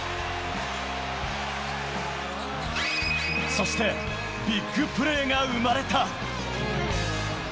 そして、ビッグプレーが生まれた。